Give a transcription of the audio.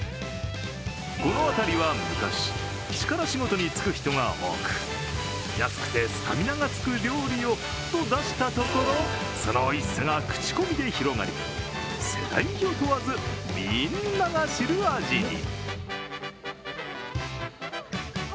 この辺りは昔、力仕事に就く人が多く、安くてスタミナがつく料理をと出したところそのおいしさが口コミで広がり、世代を問わずみんなが知る味に。